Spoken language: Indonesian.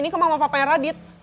aku cinta kepadamu